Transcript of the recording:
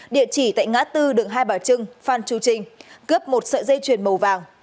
địa chỉ tại ngã bốn đường hai bà trưng phan chu trinh cướp một sợi dây truyền màu vàng